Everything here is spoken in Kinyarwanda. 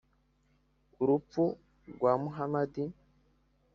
urupfu rwa muhamadi